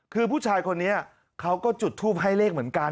คือผู้ชายคนนี้เขาก็จุดทูปให้เลขเหมือนกัน